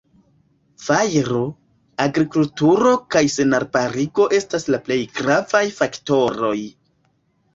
Fajro, agrikulturo kaj senarbarigo estas la plej gravaj faktoroj.